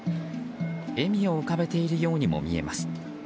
笑みを浮かべているようにも見えます。